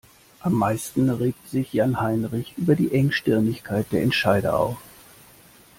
Am meisten regt sich Jan-Heinrich über die Engstirnigkeit der Entscheider auf.